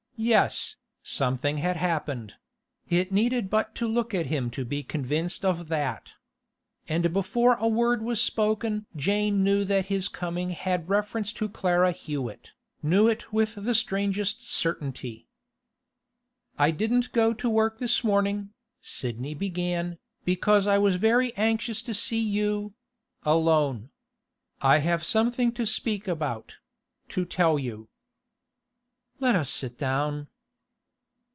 Yes, something had happened; it needed but to look at him to be convinced of that. And before a word was spoken Jane knew that his coming had reference to Clara Hewett, knew it with the strangest certainty. 'I didn't go to work this morning,' Sidney began, 'because I was very anxious to see you—alone. I have something to speak about—to tell you.' 'Let us sit down.